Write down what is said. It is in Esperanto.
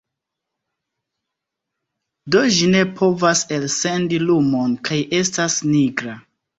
Do ĝi ne povas elsendi lumon kaj estas nigra.